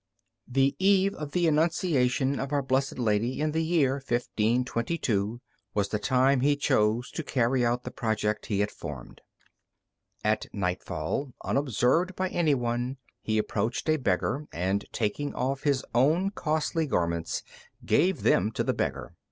The eve of the Annunciation of Our Blessed Lady in the year 1522 was the time he chose to carry out the project he had formed. At nightfall, unobserved by any one, he approached a beggar, and taking off his own costly garments gave them to the beggar.